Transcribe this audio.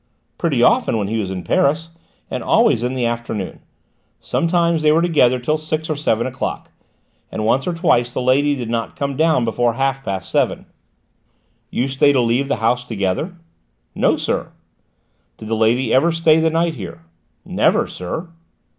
"Pretty often, when he was in Paris; and always in the afternoon. Sometimes they were together till six or seven o'clock, and once or twice the lady did not come down before half past seven." "Used they to leave the house together?" "No, sir." "Did the lady ever stay the night here?" "Never, sir."